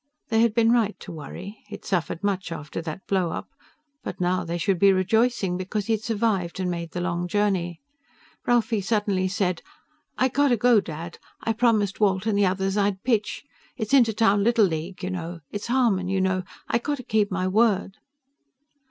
They had been right to worry. He had suffered much after that blow up. But now they should be rejoicing, because he had survived and made the long journey. Ralphie suddenly said, "I got to go, Dad. I promised Walt and the others I'd pitch. It's Inter Town Little League, you know. It's Harmon, you know. I got to keep my word."